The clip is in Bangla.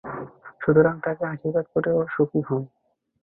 সুতরাং তাকে আশীর্বাদ কর ও সুখী হও।